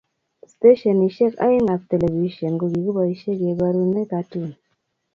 Stashenishek aeng ab telepishen kokikipaishe kebarune katun.